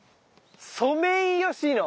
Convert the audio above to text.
「ソメイヨシノ」。